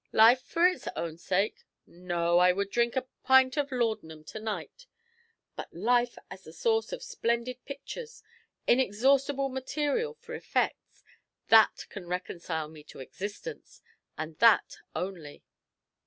Life for its own sake? no; I would drink a pint of laudanum to night. But life as the source of splendid pictures, inexhaustible material for effects that can reconcile me to existence, and that only.